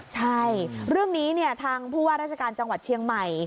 ใช่เรื่องนี้ทางผู้ว่าราชการจังหวัดเชียงใหม่